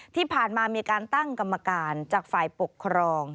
ที่ผ่านมามีการตั้งกรรมการจากฝ่ายปกครอง